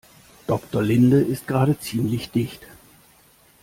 Doktor Linde ist gerade ziemlich dicht.